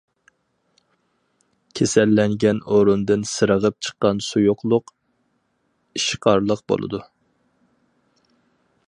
كېسەللەنگەن ئورۇندىن سىرغىپ چىققان سۇيۇقلۇق ئىشقارلىق بولىدۇ.